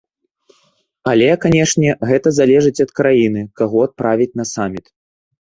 Але канечне, гэта залежыць ад краіны, каго адправіць на саміт.